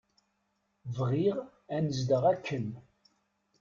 Bɣiɣ anezdeɣ akken.